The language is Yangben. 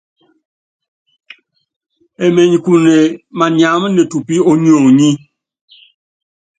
Emenykune maniám ne tupí ó nionyí.